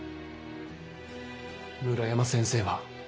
村山先生は？